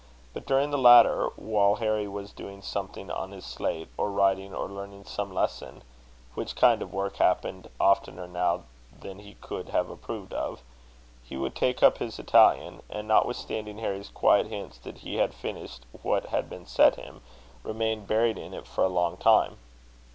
But during the latter, while Harry was doing something on his slate, or writing, or learning some lesson (which kind of work happened oftener now than he could have approved of), he would take up his Italian; and, notwithstanding Harry's quiet hints that he had finished what had been set him, remain buried in it for a long time.